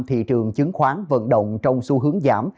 thị trường chứng khoán vận động trong xu hướng giảm